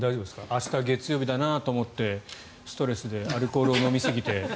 明日、月曜日だなと思ってストレスでアルコールを飲みすぎて。